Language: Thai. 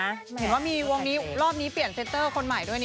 เห็นว่ามีวงนี้รอบนี้เปลี่ยนเซตเตอร์คนใหม่ด้วย